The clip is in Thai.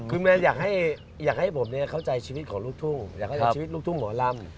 คุณแมนอยากให้อยากให้ผมเนี่ยเข้าใจชีวิตของลุกทุ่งอยากให้ชีวิตของลุกทุ่งหมอลำ